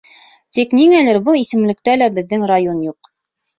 Тик ниңәлер был исемлектә лә беҙҙең район юҡ.